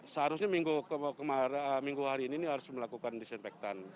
seharusnya minggu hari ini harus melakukan disinfektan